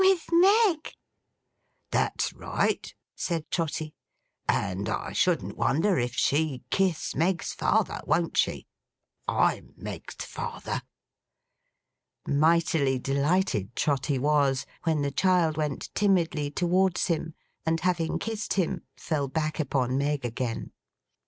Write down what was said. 'With Meg.' 'That's right,' said Trotty. 'And I shouldn't wonder if she kiss Meg's father, won't she? I'm Meg's father.' Mightily delighted Trotty was, when the child went timidly towards him, and having kissed him, fell back upon Meg again.